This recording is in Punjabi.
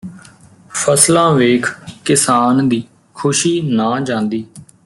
ਫਸਲਾਂ ਵੇਖ ਕਿਸਾਨ ਦੀ ਖੁਸ਼ੀ ਨਾ ਜਾਂਦੀ